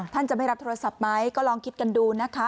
ท่านจะไม่รับโทรศัพท์ไหมก็ลองคิดกันดูนะคะ